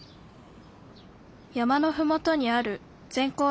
山のふもとにある全校